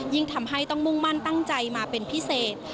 ทำให้ต้องมุ่งมั่นตั้งใจมาเป็นพิเศษ